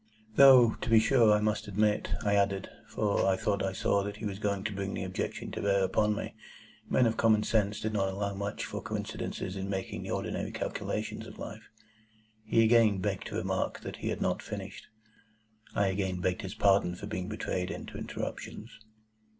Though to be sure I must admit, I added (for I thought I saw that he was going to bring the objection to bear upon me), men of common sense did not allow much for coincidences in making the ordinary calculations of life. He again begged to remark that he had not finished. I again begged his pardon for being betrayed into interruptions.